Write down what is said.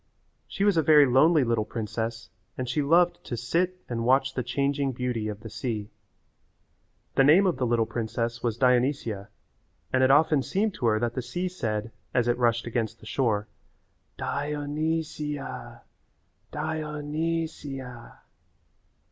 She was a very lonely little princess and she loved to sit and watch the changing beauty of the sea. The name of the little princess was Dionysia and it often seemed to her that the sea said, as it rushed against the shore, "Di o ny si a, Di o ny si a."